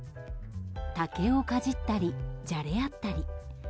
竹をかじったりじゃれ合ったり。